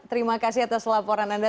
terima kasih atas laporan anda